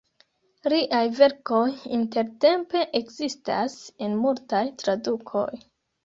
Liaj verkoj intertempe ekzistas en multaj tradukoj.